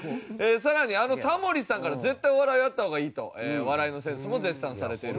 さらにあのタモリさんから絶対お笑いやった方がいいとお笑いのセンスも絶賛されている方。